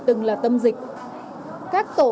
từng là tâm dịch các tổ